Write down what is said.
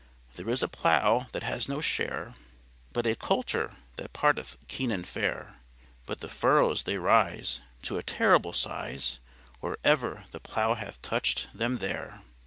"There is a plough that has no share, But a coulter that parteth keen and fair. But the furrows they rise To a terrible size, Or ever the plough hath touch'd them there.